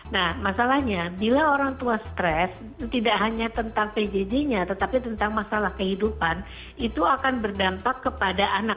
nah masalahnya bila orang tua stres tidak hanya tentang pjj nya tetapi tentang masalah kehidupan itu akan berdampak kepada anak